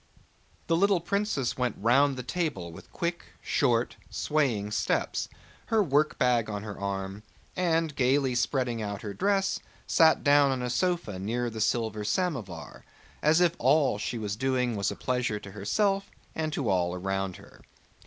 The little princess went round the table with quick, short, swaying steps, her workbag on her arm, and gaily spreading out her dress sat down on a sofa near the silver samovar, as if all she was doing was a pleasure to herself and to all around her.